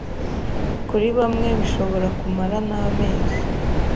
Kuri bamwe bishobora kumara n’amezi